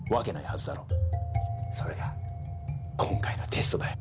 それが今回のテストだよ。